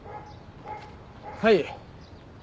はい。